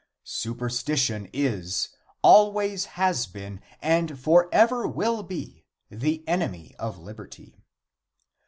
Superstition is, always lias been, and forever will be, the enemy of liberty.